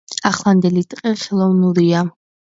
ახლანდელი ტყე ხელოვნურია.